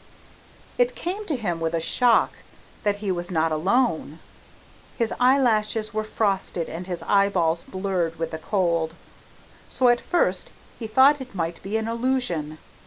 It came to him with a shock that he was not alone. His eyelashes were frosted and his eyeballs blurred with the cold, so at first he thought it might be an illusion.